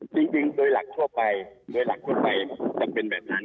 จริงโดยหลักทั่วไปโดยหลักทั่วไปจะเป็นแบบนั้น